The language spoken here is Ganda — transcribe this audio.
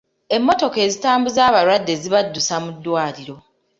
Emmotoka ezitambuza abalwadde zibaddusa mu ddwaliro.